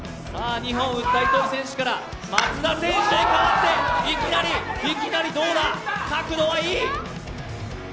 ２本打った糸井選手から松田選手に代わっていきなりどうだ、角度はいい！